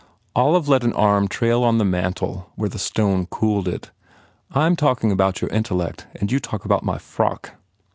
Olive let an arm trail on the mantel where the stone cooled it. "I m talking about your intellect and you talk about my frock."